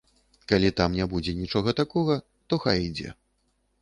Калі там не будзе нічога такога, то хай ідзе.